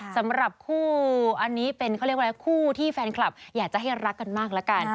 สำหรับคู่อันนี้เป็นเขาเรียกว่าคู่ที่แฟนคลับอยากจะให้รักกันมากละกัน